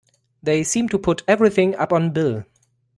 They seem to put everything upon Bill!